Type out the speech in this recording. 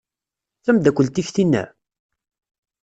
D tameddakelt-ik tinna?